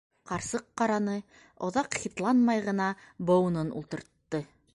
Ҡарсыҡ ҡараны, оҙаҡ хитланмай ғына быуынын ултыртты.